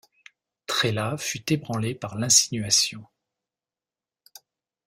Trélat fut ébranlé par l'insinuation.